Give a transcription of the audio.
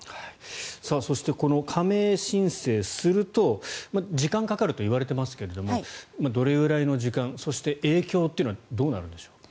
そしてこの加盟申請すると時間がかかるといわれていますがどれぐらいの時間そして、影響というのはどうなるんでしょう。